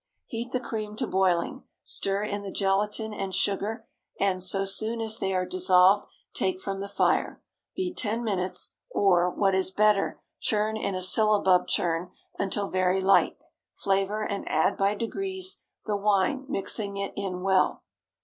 Heat the cream to boiling, stir in the gelatine and sugar, and, so soon as they are dissolved, take from the fire. Beat ten minutes, or, what is better, churn in a syllabub churn until very light; flavor, and add by degrees the wine, mixing it in well.